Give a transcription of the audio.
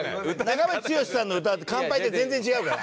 長渕剛さんの歌『乾杯』って全然違うから。